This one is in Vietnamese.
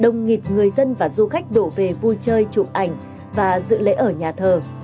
đông nghịt người dân và du khách đổ về vui chơi chụp ảnh và dự lễ ở nhà thờ